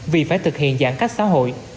vì phải thực hiện giãn cách xã hội